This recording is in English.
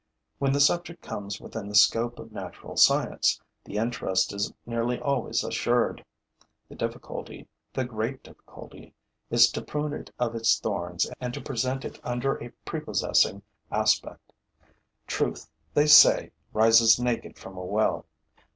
When the subject comes within the scope of natural science, the interest is nearly always assured; the difficulty, the great difficulty, is to prune it of its thorns and to present it under a prepossessing aspect. Truth, they say, rises naked from a well.